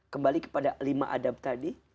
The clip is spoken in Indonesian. kembali kepada lima adab tadi